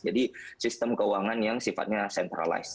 jadi sistem keuangan yang sifatnya centralized